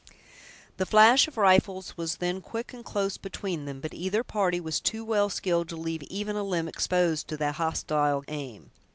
The flash of rifles was then quick and close between them, but either party was too well skilled to leave even a limb exposed to the hostile aim.